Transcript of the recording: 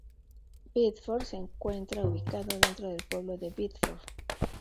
Bedford se encuentra ubicado dentro del pueblo de Bedford.